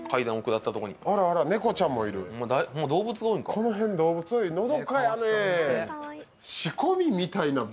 この辺動物多い、のどかやね。